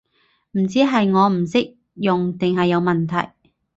唔知係我唔識用定係有問題